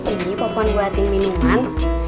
ini pompon buatin minuman